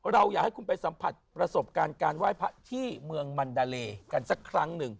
เราอยากให้คุณไปสัมผัสประสบการณ์การไหว้พระที่เมืองมันดาเลกันสักครั้งหนึ่ง